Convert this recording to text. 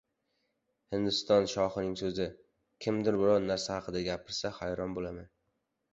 Hindiston shohining so‘zi: “Kimdir biror narsa haqida gapirsa hayron bo‘laman.